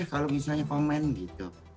kalau misalnya komen gitu